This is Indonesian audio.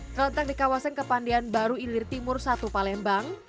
terletak di kawasan kepandian baru ilir timur satu palembang